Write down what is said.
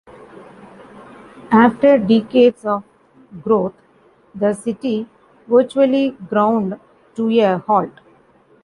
After decades of growth, the city virtually ground to a halt.